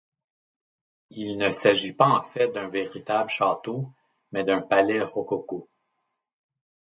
Il ne s'agit pas en fait d'un véritable château mais d'un palais rococo.